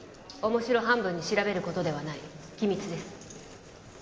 面白半分に調べることではない機密です